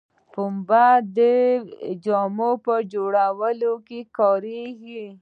پنبه د جامو په جوړولو کې کاریږي